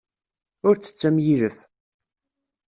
Ur ttett am yilef.